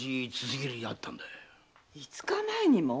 五日前にも？